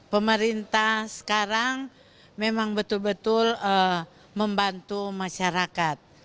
pemerintah sekarang memang betul betul membantu masyarakat